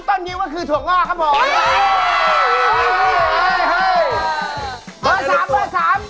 นิ้วก็คือถั่วงอกครับผม